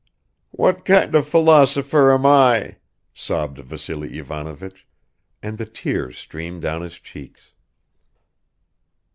"What kind of philosopher am I!" sobbed Vassily Ivanovich, and the tears streamed down his cheeks.